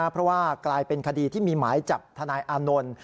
เพราะว่ากลายเป็นคดีที่มีหมายจับทนายอานนท์